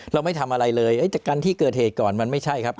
เราไม่ทำอะไรเลยจากการที่เกิดเหตุก่อนมันไม่ใช่ครับ